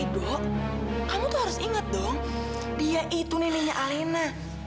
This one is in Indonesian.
duh kamu tuh harus inget dong dia itu neneknya alena